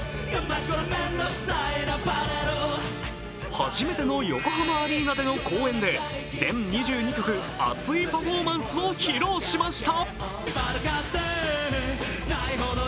初めての横浜アリーナでの公演で全２２曲、熱いパフォーマンスを披露しました。